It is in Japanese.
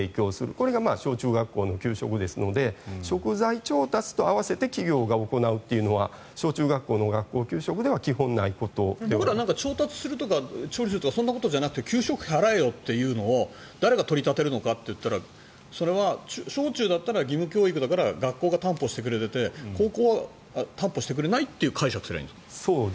これが小中学校の給食ですので食材調達と合わせて企業が行うというのは小中学校の学校給食では調達するとか調理するとかそんなことじゃなくて給食費払えよというのを誰が取り立てるのかといったらそれは小中だったら義務教育だから学校が担保してくれていて高校は担保してくれないという解釈でいいですか。